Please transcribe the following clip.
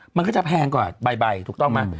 มันก็จะแพงกว่าใบถูกต้องไหม